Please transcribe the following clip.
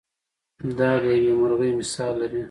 دا د یوې مرغۍ مثال لري.